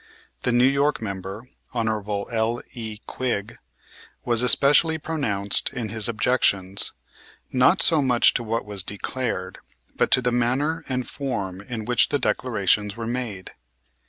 The New York member, Hon. L.E. Quigg, was especially pronounced in his objections, not so much to what was declared, but to the manner and form in which the declarations were made.